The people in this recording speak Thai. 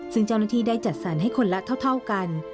ซึ่งเจ้าหน้าที่ได้จัดสรรให้คนละเท่ากัน